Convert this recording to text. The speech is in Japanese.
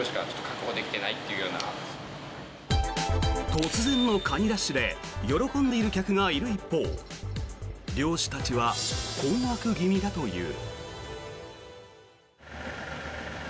突然のカニラッシュで喜んでいる客がいる一方漁師たちは困惑気味だという。